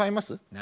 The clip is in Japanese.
何？